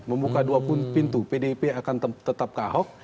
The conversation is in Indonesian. membuka dua pintu pdip akan tetap ke ahok